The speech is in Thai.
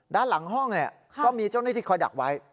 ด้านหลังห้องก็มีเจ้าหน้าที่คอยดักไว้